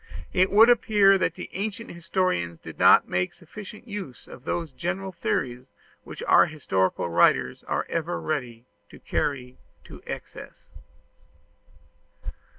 It would appear that the ancient historians did not make sufficient use of those general theories which our historical writers are ever ready to carry to excess.